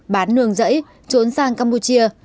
bán nương rẫy trốn sang campuchia